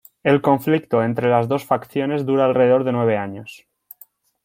El conflicto entre las dos facciones dura alrededor de nueve años.